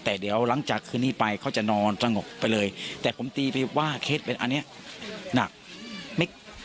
แต่เดี๋ยวหลังจากคืนนี้ไปเขาจะนอนสงบไปเลยแต่ผมตีไปว่าเคสเป็นอันเนี้ยหนักไม่